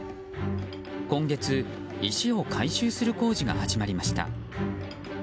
今月、石を回収する工事が始まりました。